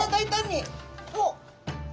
おっ！